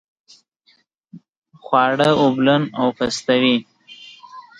خواړه اوبلن او پستوي.